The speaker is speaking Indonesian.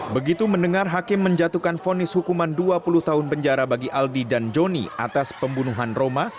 begitu mendengar hakim menjatuhkan fonis hukuman dua puluh tahun penjara bagi aldi dan joni atas pembunuhan roma